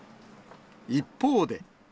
一方で。